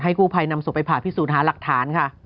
กู้ภัยนำศพไปผ่าพิสูจน์หาหลักฐานค่ะ